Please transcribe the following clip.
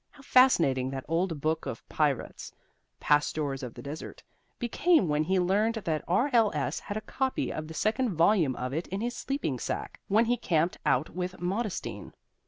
How fascinating that old book Peyrat's "Pastors of the Desert" became when we learned that R.L.S. had a copy of the second volume of it in his sleeping sack when he camped out with Modestine.